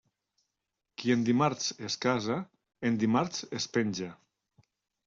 Qui en dimarts es casa, en dimarts es penja.